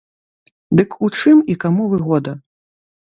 Дык у чым і каму выгода?